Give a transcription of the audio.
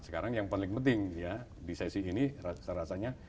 sekarang yang paling penting di sesi ini rasanya